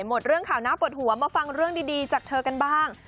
หมดเรื่องข่าวหน้าปวดหัวมาฟังเรื่องดีจากเธอกันบ้าง